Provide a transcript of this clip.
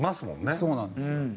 そうなんですよ。